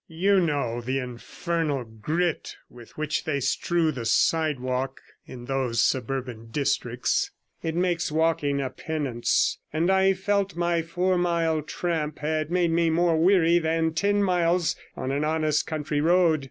You know the infernal grit with which they strew the sidewalk in those suburban districts; it makes walking a penance, and I felt my four mile tramp had made me more weary than ten miles on an honest country road.